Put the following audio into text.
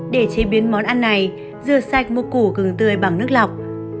để chế biến món ăn này rửa sạch một củ gừng tươi bằng nước lọc